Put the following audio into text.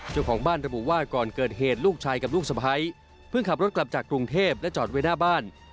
เจ้าของบ้านระบุว่าก่อนเกิดเหตุลูกชายกับลูกสะพ้ายเพิ่งขับรถกลับจากกรุงเทพและจอดไว้หน้าบ้าน